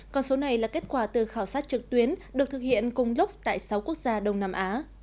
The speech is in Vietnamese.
con số này là kết quả từ khảo sát trực tuyến được thực hiện cùng lúc tại sáu quốc gia đông nam á